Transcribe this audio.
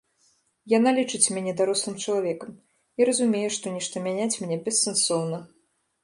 Яна лічыць мяне дарослым чалавекам і разумее, што нешта мяняць мне бессэнсоўна.